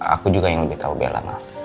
aku juga yang lebih tahu bella ma